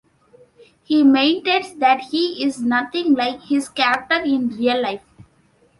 He maintains that he is nothing like his character in real life.